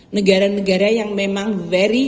negara negara yang memang very